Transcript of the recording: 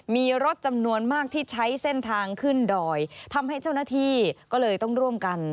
มีรถจำนวนมากที่ใช้เส้นทางขึ้นดอยทำให้เจ้าหน้าที่ก็เลยต้องร่วมกัน